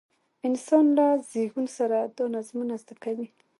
انسانان له زېږون سره دا نظمونه زده کوي.